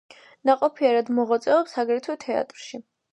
ნაყოფიერად მოღვაწეობს აგრეთვე თეატრში.